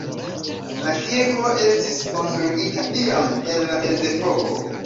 La kirko estis konstruita iam en la mezepoko.